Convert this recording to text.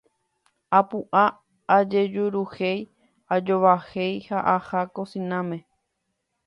apu'ã ajejuruhéi, ajovahéi ha aha kosináme